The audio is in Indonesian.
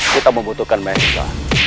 kita membutuhkan medica